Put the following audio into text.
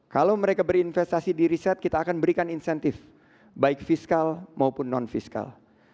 kalau mereka berinvestasi di riset kita akan berikan insentif baik fiskal maupun non fiskal